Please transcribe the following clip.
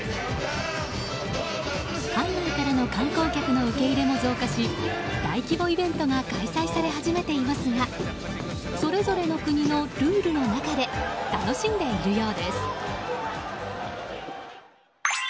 海外からの観光客の受け入れも増加し大規模イベントが開催され始めていますがそれぞれの国のルールの中で楽しんでいるようです。